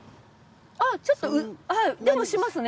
あぁちょっとでもしますね。